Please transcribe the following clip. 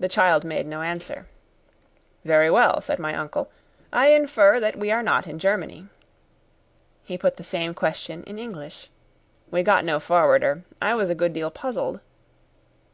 The child made no answer. "Very well," said my uncle. "I infer that we are not in Germany." He put the same question in English. We got no forwarder. I was a good deal puzzled.